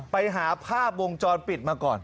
ไปหาภาพวงจรปิดมาก่อน